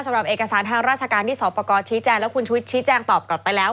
สำหรับเอกสารทางราชการที่สอบประกอบชี้แจงแล้วคุณชุวิตชี้แจงตอบกลับไปแล้ว